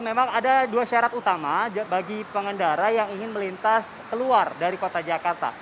memang ada dua syarat utama bagi pengendara yang ingin melintas keluar dari kota jakarta